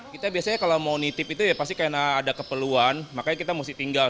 kita biasanya kalau mau nitip itu ya pasti karena ada keperluan makanya kita mesti tinggal